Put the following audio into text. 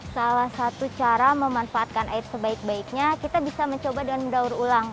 salah satu cara memanfaatkan air sebaik baiknya kita bisa mencoba dengan mendaur ulang